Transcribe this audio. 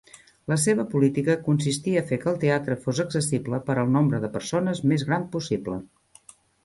La seva política consistia a fer que el teatre fos accessible per al nombre de persones més gran possible.